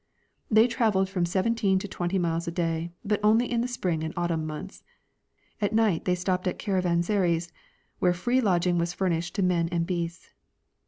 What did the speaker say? They traveled from seventeen to tAventy miles a day, but only in the spring and autumn months. At night they stopped at caravansaries, Avhere free lodging was furnished to men and beasts.